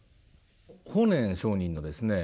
法然上人のですね